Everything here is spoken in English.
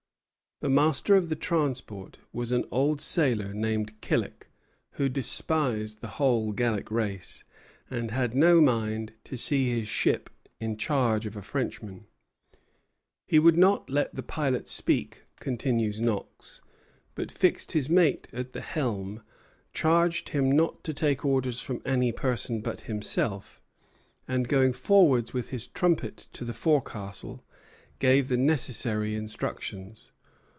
The master of the transport was an old sailor named Killick, who despised the whole Gallic race, and had no mind to see his ship in charge of a Frenchman. "He would not let the pilot speak," continues Knox, "but fixed his mate at the helm, charged him not to take orders from any person but himself, and going forward with his trumpet to the forecastle, gave the necessary instructions.